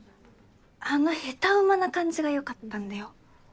あのヘタウマな感じが良かったんだよ。